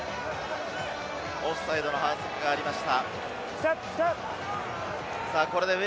オフサイドの反則がありました。